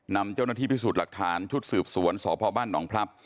นำเจ้าหน้าที่พิสูจน์หลักฐานชุดสืบสวนสพบ้านหนองพลับ